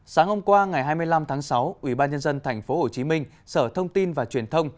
sáng hôm qua ngày hai mươi năm tháng sáu ubnd tp hcm sở thông tin và truyền thông